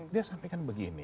dia sampaikan begini